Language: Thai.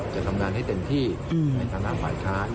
จะทำงานให้เต็มที่ให้ธนาคมหายค้าน